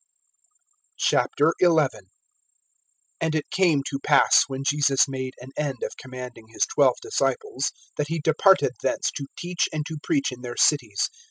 XI. AND it came to pass, when Jesus made an end of commanding his twelve disciples, that he departed thence to teach and to preach in their cities.